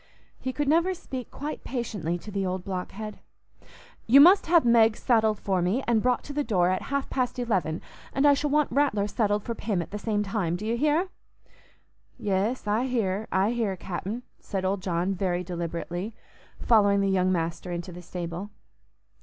He could never speak quite patiently to the old blockhead. "You must have Meg saddled for me and brought to the door at half past eleven, and I shall want Rattler saddled for Pym at the same time. Do you hear?" "Yes, I hear, I hear, Cap'n," said old John very deliberately, following the young master into the stable.